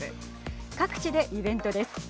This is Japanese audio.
各地でイベントです。